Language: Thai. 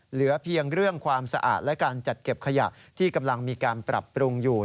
เหลือเพียงเรื่องความสะอาดและการจัดเก็บขยะที่กำลังมีการปรับปรุงอยู่